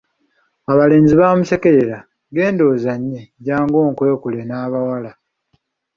Abalenzi bamusekerera, genda ozannye, jangu onkwekule n'abawala.